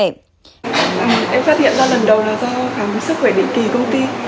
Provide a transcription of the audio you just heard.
em phát hiện ra lần đầu là do khám sức khỏe định kỳ công ty